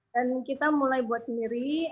dan kita mulai buat sendiri